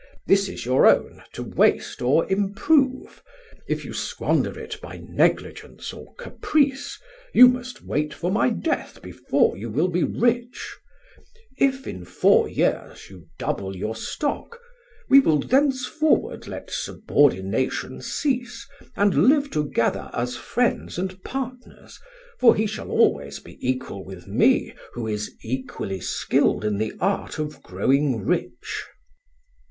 This is your own, to waste or improve. If you squander it by negligence or caprice, you must wait for my death before you will be rich; if in four years you double your stock, we will thenceforward let subordination cease, and live together as friends and partners, for he shall be always equal with me who is equally skilled in the art of growing rich.